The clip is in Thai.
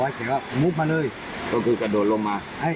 ก็คือกระโดดลงมา